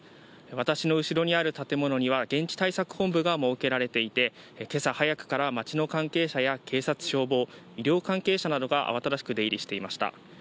私の後ろにある建物には、現地対策本部が設けられていて、今朝早くから町の関係者や警察、消防、医療関係者などが慌ただしく出入りしていました。